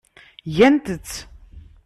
Gant-tt.